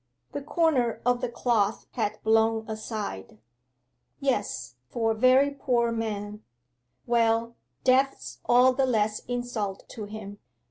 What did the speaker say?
The corner of the cloth had blown aside. 'Yes, for a very poor man. Well, death's all the less insult to him.